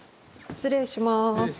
失礼します。